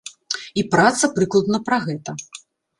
І праца прыкладна пра гэта.